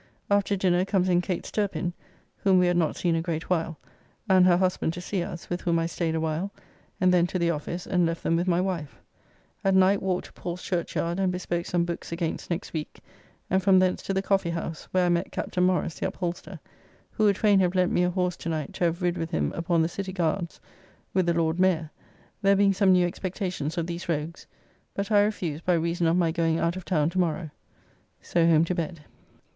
After dinner comes in Kate Sterpin (whom we had not seen a great while) and her husband to see us, with whom I staid a while, and then to the office, and left them with my wife. At night walked to Paul's Churchyard, and bespoke some books against next week, and from thence to the Coffeehouse, where I met Captain Morrice, the upholster, who would fain have lent me a horse to night to have rid with him upon the Cityguards, with the Lord Mayor, there being some new expectations of these rogues; but I refused by reason of my going out of town tomorrow. So home to bed.